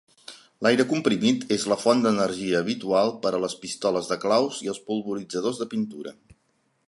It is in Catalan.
L'aire comprimit és la font d'energia habitual per a les pistoles de claus i els polvoritzadors de pintura.